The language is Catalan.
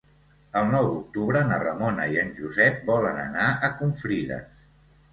El nou d'octubre na Ramona i en Josep volen anar a Confrides.